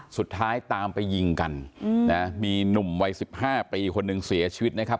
สุดท้ายตามไปยิงกันมีหนุ่มวัย๑๕ปีคนหนึ่งเสียชีวิตนะครับ